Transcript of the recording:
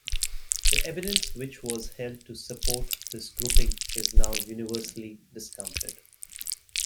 The evidence which was held to support this grouping is now universally discounted.